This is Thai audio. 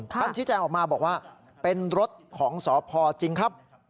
กันชิ้นแจ้งออกมาบอกว่าเป็นรถของสอบภอดิ์จริงครับ